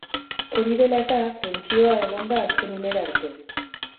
Hori dela eta, tentsioa egon da azken unera arte.